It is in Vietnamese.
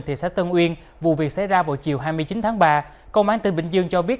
thị xã tân uyên vụ việc xảy ra vào chiều hai mươi chín tháng ba công an tỉnh bình dương cho biết